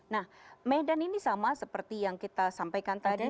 nah medan ini sama seperti yang kita sampaikan tadi